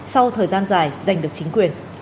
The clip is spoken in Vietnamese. sau thời gian dài giành được chính quyền